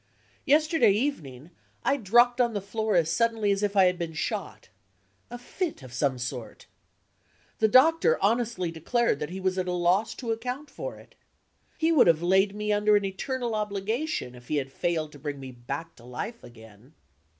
Yesterday evening, I dropped on the floor as suddenly as if I had been shot: a fit of some sort. The doctor honestly declared that he was at a loss to account for it. He would have laid me under an eternal obligation if he had failed to bring me back to life again.